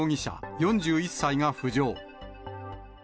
４１歳が浮上。